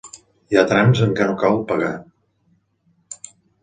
Hi ha trams en què no cal pagar.